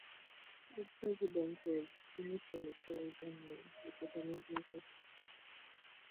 The President was initially sold only in the Japanese market.